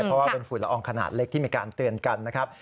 เพราะว่าเป็นฝุ่นละอองขนาดเล็กที่มีการเตือนกันนะครับ